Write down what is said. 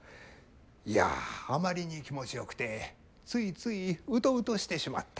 いやあまりに気持ちよくてついついうとうとしてしまった。